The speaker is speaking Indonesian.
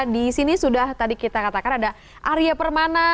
di sini sudah tadi kita katakan ada arya permana